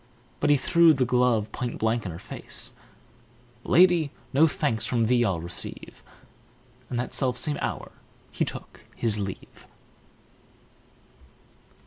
But he threw the glove point blank in her face: "Lady, no thanks from thee I'll receive!" And that selfsame hour he took his leave.